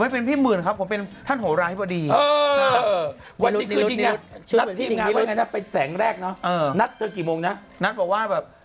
เป็นพี่มือครับผมเป็นท่านโหราธิบดีวันที่คือที่เนี่ยจะเป็นแสงแรกเนาะนับกี่โมงนะนับบอกว่าแบบ